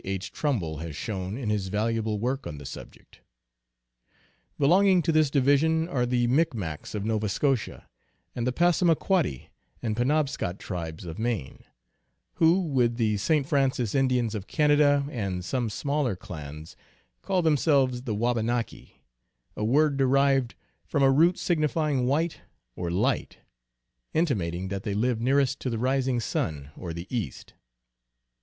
H. Trumbull has shown in his valuable work on the sub ject. Belonging to this division are the Micmacs of Nova Scotia and the Passamaquoddy and Penobscot tribes of Maine, who with the St. Francis Indians of Canada and some smaller clans call themselves the Wabanaki, a word derived from a root signifying white or light, intimating that they live nearest to the rising sun or the east.